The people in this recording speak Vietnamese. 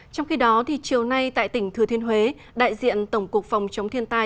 trong khi đó chiều nay tại tỉnh thừa thiên huế đại diện tổng cục phòng chống thiên tai